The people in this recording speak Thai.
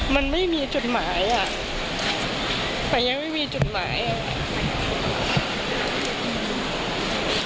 มันไม่มีจุดหมายอ่ะแต่ยังไม่มีจุดหมายอ่ะ